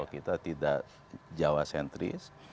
kita tidak jawa sentris